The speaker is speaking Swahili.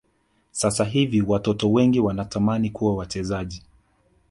sasa hivi watoto wengi wanatamani kuwa wachezaji